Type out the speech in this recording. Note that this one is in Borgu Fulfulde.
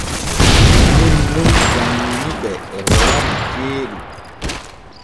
Min nun janŋini ɓe rowani ceeɗu.